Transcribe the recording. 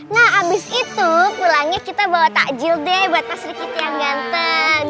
nah abis itu pulangnya kita bawa takjil deh buat mas rikit yang ganteng